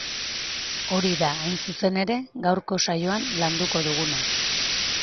Hori da hain zuzen ere gaurko saioan landuko duguna.